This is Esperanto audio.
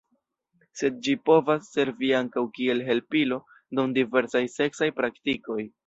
Sed ĝi povas servi ankaŭ kiel helpilo dum diversaj seksaj praktikoj.